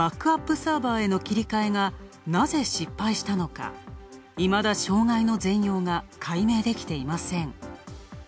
サーバーへの切り替えがなぜ失敗したのか、いまだ障害の全容が解明できていません。